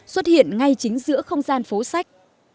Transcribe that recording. xuất hiện ngay chính giữa không gian phố sách